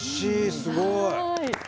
すごい！